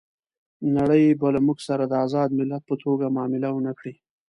نړۍ به له موږ سره د آزاد ملت په توګه معامله ونه کړي.